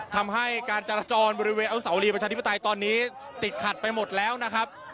ทำให้การจราจรบริเวณอนุสาวรีประชาธิปไตยตอนนี้ติดขัดไปหมดแล้วนะครับ